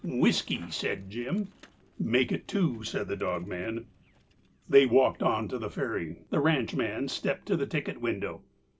"Whiskey," said Jim. "Make it two," said the dogman. They walked on to the ferry. The ranchman stepped to the ticket window.